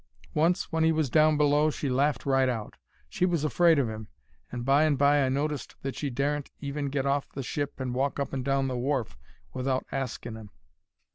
Once, when 'e was down below, she laughed right out. She was afraid of 'im, and by and by I noticed that she daren't even get off the ship and walk up and down the wharf without asking 'im.